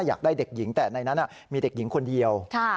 อยากได้เด็กหญิงแต่ในนั้นมีเด็กหญิงคนเดียว